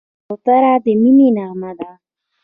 کوتره د مینې نغمه ده.